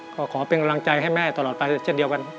ก็ขอเป็นกำลังใจให้แม่ตลอดไปเช่นเดียวกัน